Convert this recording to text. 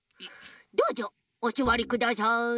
どうぞおすわりください。